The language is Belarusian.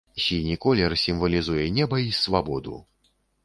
Сіні колер сімвалізуе неба і свабоду.